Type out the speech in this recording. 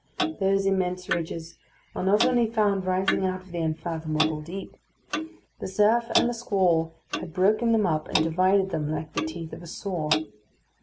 Those immense ridges are not only found rising out of the unfathomable deep. The surf and the squall had broken them up and divided them like the teeth of a saw.